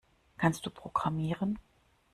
Kannst du programmieren?